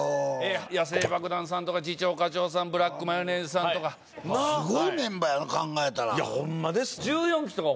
野性爆弾さん次長課長さんブラックマヨネーズさんとかすごいメンバーやな考えたらいやホンマですね